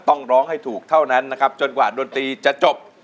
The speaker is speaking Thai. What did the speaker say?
ต้องร้องให้ถูกเท่านั้นนะครับจนกว่าดนตรีจะจบ